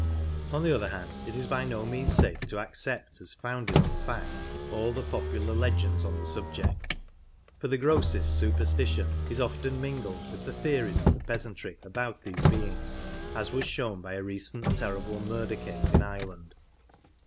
On the other hand, it is by no means safe to accept as founded on fact all the popular legends on the subject, for the grossest superstition is often mingled with the theories of the peasantry about these beings, as was shown by a recent terrible murder case in Ireland.